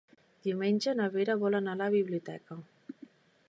Diumenge na Vera vol anar a la biblioteca.